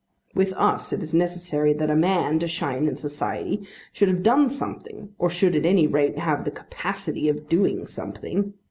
With us it is necessary that a man, to shine in society, should have done something, or should at any rate have the capacity of doing something.